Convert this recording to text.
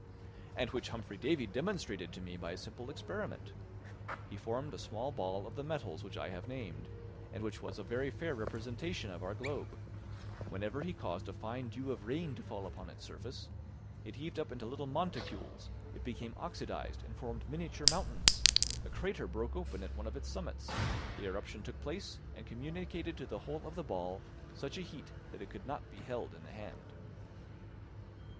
"And which Humphry Davy demonstrated to me by a simple experiment. He formed a small ball of the metals which I have named, and which was a very fair representation of our globe; whenever he caused a fine dew of rain to fall upon its surface, it heaved up into little monticules, it became oxydized and formed miniature mountains; a crater broke open at one of its summits; the eruption took place, and communicated to the whole of the ball such a heat that it could not be held in the hand."